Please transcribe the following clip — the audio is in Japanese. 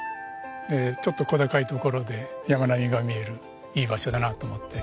でちょっと小高い所で山並みが見えるいい場所だなと思って。